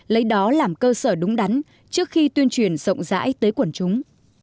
lấy đó làm cơ sở đúng đắn trước khi tuyên truyền rộng rãi tới quần chúng